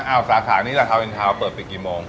อ้าวสาขานี่ละทาวน์เย็นทาวน์เปิดไปกี่โมง